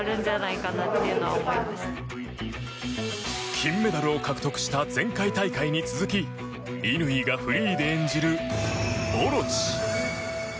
金メダルを獲得した前回大会に続き乾がフリーで演じる「大蛇オロチ」。